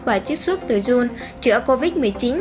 và chích xuất từ dung chữa covid một mươi chín